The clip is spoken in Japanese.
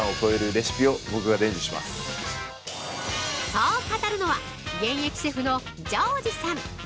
◆そう語るのは、現役シェフのジョージさん。